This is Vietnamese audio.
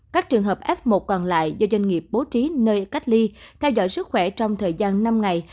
các trường hợp f một còn lại do doanh nghiệp bố trí nơi cách ly theo dõi sức khỏe trong thời gian năm ngày